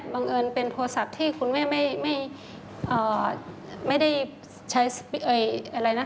บังเอิญเป็นโทรศัพท์ที่คุณแม่ไม่ใช้